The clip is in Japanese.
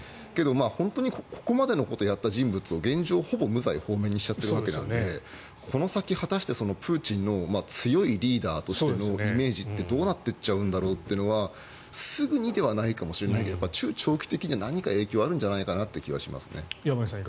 本当にここまでのことをやった人物を現状、ほぼ無罪放免にしてしまっているのでこの先、果たしてプーチンの強いリーダーとしてのイメージってどうなっていっちゃうんだろうというのはすぐにではないかもしれないけど中長期的に何か影響はあるんじゃないかという気がしますね。